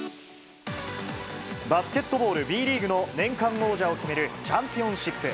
バスケットボール、Ｂリーグの年間王者を決めるチャンピオンシップ。